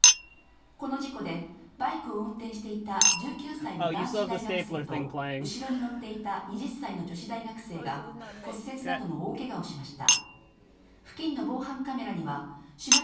この事故で、バイクを運転していた１９歳の男子大学生と後ろに乗っていた２０歳の女子大学生が骨折などの大けがをしました。